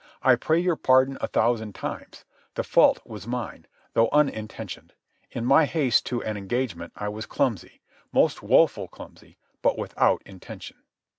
I pray your pardon a thousand times. The fault was mine, though unintentioned. In my haste to an engagement I was clumsy, most woful clumsy, but without intention."